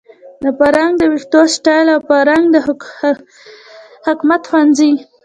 د فرانک د ویښتو سټایل او د فرانک د حکمت ښوونځي